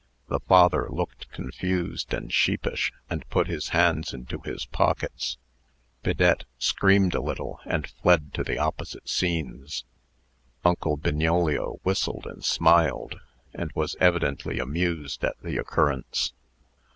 The father looked confused and sheepish, and put his hands into his pockets. Bidette screamed a little, and fled to the opposite scenes. Uncle Bignolio whistled and smiled, and was evidently amused at the occurrence.